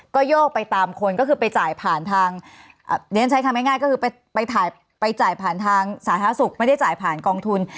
ก็โยกไปตามคนก็คือไปจ่ายผ่านทางเรียนใช้คำง่ายก็คือไปจ่ายผ่านทางสาธารณสุขไม่ได้จ่ายผ่านกองทุน